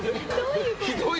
ひどい。